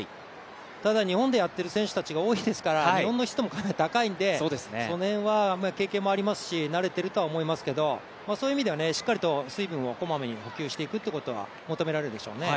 ただ、日本でやってル選手たちが多いですから日本の湿度もかなり高いですのでその辺は経験もありますし慣れてるとは思いますけどそういう意味では、しっかりと水分をこまめに補給していくことは求められるでしょうね。